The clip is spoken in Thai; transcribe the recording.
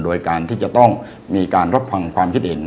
โดยการที่จะต้องมีการรับฟังความคิดเห็น